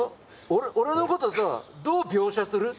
俺のことさどう描写する？